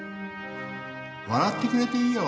笑ってくれていいよ。